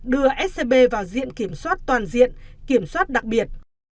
đưa scb vào diện kiểm soát toàn diện kiểm soát đặc biệt